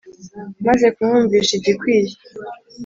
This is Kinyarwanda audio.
Maze kumwumvisha igikwiye